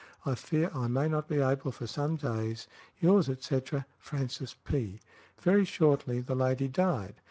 I fear I may not be able for some days. Yours, etc., Frances P." Very shortly the lady died.